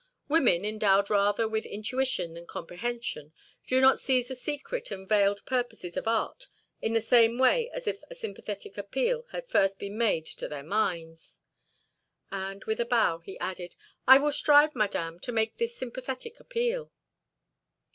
Women, endowed rather with intuition than comprehension, do not seize the secret and veiled purposes of art in the same way as if a sympathetic appeal had first been made to their minds." And, with a bow, he added: "I will strive, Madame, to make this sympathetic appeal."